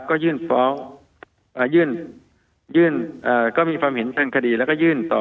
ก็ยื่นฟ้องยื่นก็มีความเห็นทางคดีแล้วก็ยื่นต่อ